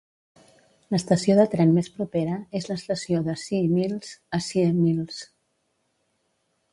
L'estació de tren més propera és l'estació de Sea Mills a Sea Mills.